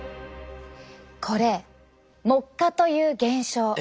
これ木化という現象。